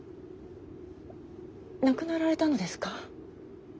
亡くなられたのですか？